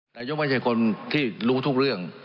นายกไม่ใช่คนที่รู้ทุกเรื่อง